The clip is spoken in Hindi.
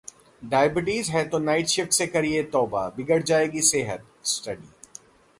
डायबिटीज है तो नाइट शिफ्ट से करिए तौबा, बिगड़ जाएगी सेहत: स्टडी